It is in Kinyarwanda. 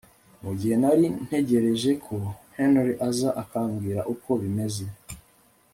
Mu gihe nari ntegereje ko Henry aza akambwira uko bimeze